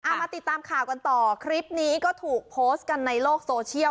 มาติดตามข่าวกันต่อคลิปนี้ก็ถูกโพสต์กันในโลกโซเชียล